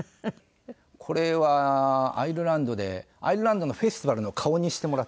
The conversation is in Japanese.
これはアイルランドでアイルランドのフェスティバルの顔にしてもらったんですね。